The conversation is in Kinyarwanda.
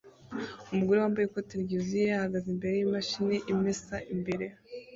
Umugore wambaye ikote ryuzuye ahagaze imbere yimashini imesa imbere